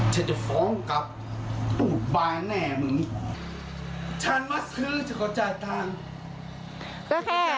ฉันจะฟ้องกับผู้ตายแน่มึงฉันมาซื้อฉันก็จ่ายตังค์